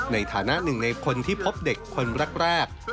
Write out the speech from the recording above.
ในฐานะหนึ่งในคนที่พบเด็กคนแรก